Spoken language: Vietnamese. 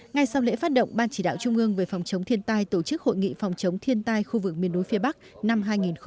ngay sau lễ phát động ban chỉ đạo trung ương về phòng chống thiên tai tổ chức hội nghị phòng chống thiên tai khu vực miền núi phía bắc năm hai nghìn hai mươi